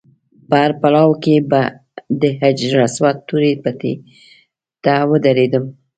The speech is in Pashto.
په هر پړاو کې به د حجر اسود تورې پټۍ ته ودرېدم.